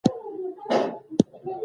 سلیمان غر د صنعت لپاره مواد برابروي.